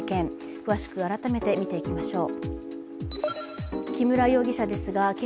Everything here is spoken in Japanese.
詳しく改めて見ていきましょう。